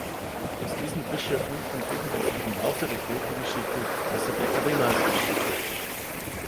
Aus diesen Bischöfen entwickelte sich im Laufe der Kirchengeschichte die Klasse der Kardinalbischöfe.